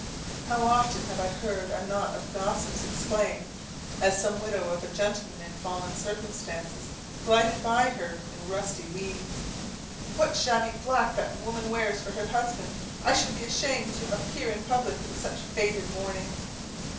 How often have I heard a knot of gossips exclaim, as some widow of a gentleman in fallen circumstances glided by in her rusty weeds, "What shabby black that woman wears for her husband! I should be ashamed to appear in public in such faded mourning."